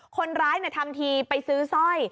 คนร้ายทำทีไปซื้อสร้อย